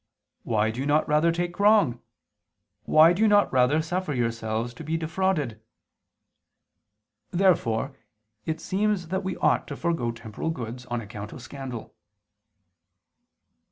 Why do you not rather take wrong? why do you not rather suffer yourselves to be defrauded?" Therefore it seems that we ought to forego temporal goods on account of scandal.